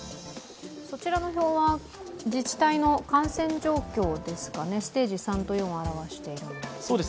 そちらの表は自治体の感染状況ですかね、ステージ３と４を表す。